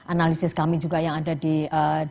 analisis kami juga yang ada di kantor staff program